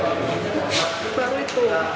baru itu ya